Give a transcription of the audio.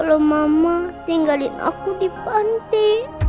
kalau mama tinggalin aku di panti